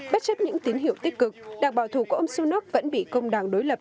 bất chấp những tín hiệu tích cực đảng bảo thủ của ông sunak vẫn bị công đảng đối lập